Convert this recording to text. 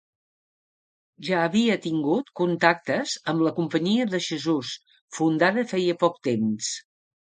Ja havia tingut contactes amb la Companyia de Jesús, fundada feia poc temps.